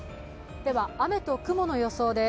雨と雲の予想です。